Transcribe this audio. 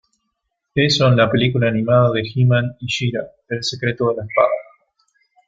Eso en la película animada de He-Man y She-Ra: El secreto de la espada.